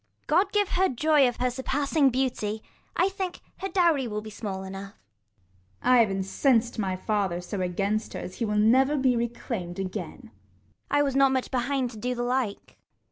I God give her joy of her surpassing beauty ; I think, her dowry will be small enough. Gon. I have incens'd my father so against her, As he will never be reclamed again. 10 Ragan. I was not much behind to do the like.